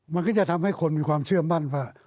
มันก็จะทำให้คนมีความเชื่อมั่นว่า